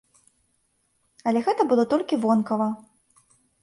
Але гэта было толькі вонкава.